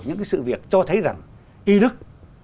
những sự việc cho thấy rằng y đức